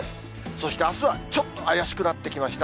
そして、あすはちょっと怪しくなってきました。